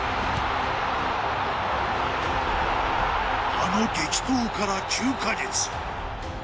あの激闘から９か月。